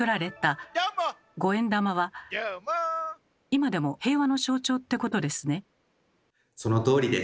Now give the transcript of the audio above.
「今でも平和の象徴ってことですね」。